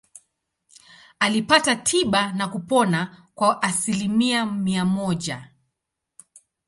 Alipata tiba na kupona kwa asilimia mia moja.